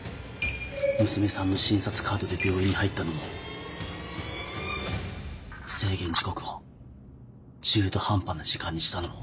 娘さんの診察カードで病院に入ったのも制限時刻を中途半端な時間にしたのも。